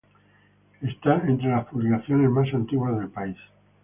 Está entre las publicaciones más antiguas del país.